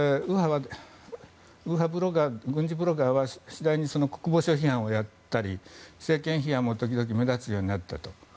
右派ブロガー、軍事ブロガーは次第に国防省批判をやったり政権批判も時々目立つようになったと。